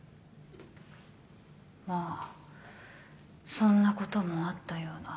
まあそんなこともあったような。